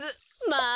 まあ。